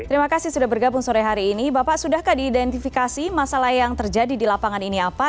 terima kasih sudah bergabung sore hari ini bapak sudahkah diidentifikasi masalah yang terjadi di lapangan ini apa